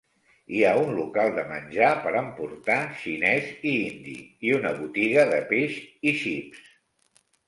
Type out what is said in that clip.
Hi ha un local de menjar per emportar xinès i indi i una botiga de peix i xips.